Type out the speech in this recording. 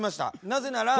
なぜなら。